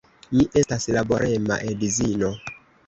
Mi estas laborema edzino.